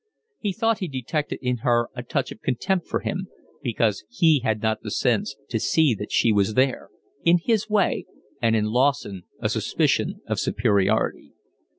He thought he detected in her a touch of contempt for him, because he had not had the sense to see that she was there, in his way, and in Lawson a suspicion of superiority.